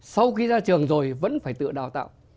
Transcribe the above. sau khi ra trường rồi vẫn phải tự đào tạo